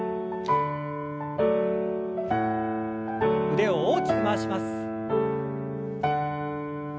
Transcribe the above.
腕を大きく回します。